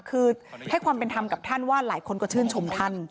คือให้ความเป็นธรรมกับท่านว่าหลายคนก็ชื่นชมท่าน